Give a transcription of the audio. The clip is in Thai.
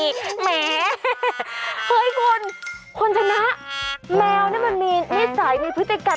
เฮ่ยแหม้เฮ่ยคนนี่คนน่ะแมวมันมีนิสัยมีพฤติกรรม